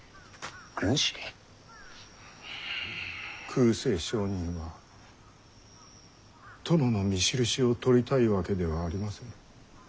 空誓上人は殿の御首級を取りたいわけではありませぬ。